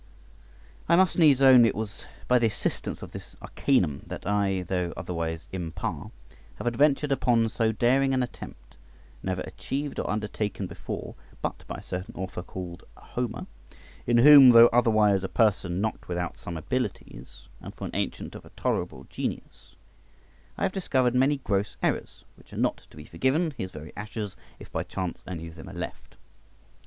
I must needs own it was by the assistance of this arcanum that I, though otherwise impar, have adventured upon so daring an attempt, never achieved or undertaken before but by a certain author called Homer, in whom, though otherwise a person not without some abilities, and for an ancient of a tolerable genius; I have discovered many gross errors which are not to be forgiven his very ashes, if by chance any of them are left.